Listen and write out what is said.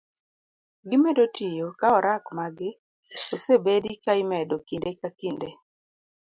Gimedo tiyo ka orak magi osebedi ka imedo kinde ka kinde